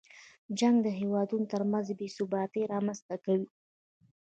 جنګ د هېوادونو تر منځ بې ثباتۍ رامنځته کوي.